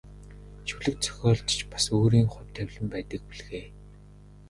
Шүлэг зохиолд ч бас өөрийн хувь тавилан байдаг бүлгээ.